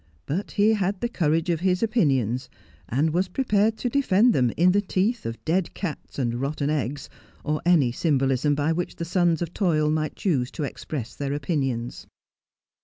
But he had the courage of his opinions, and was prepared to defend them in the teeth of dead cats and rotten eggs, or any symbolism by which the sons of toil might choose to express their opinions.